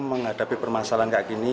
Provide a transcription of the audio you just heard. menghadapi permasalahan kayak gini